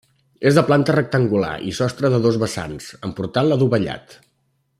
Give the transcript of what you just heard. És de planta rectangular i sostre a dos vessants, amb portal adovellat.